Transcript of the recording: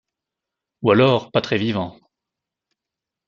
Ou alors, pas très vivant.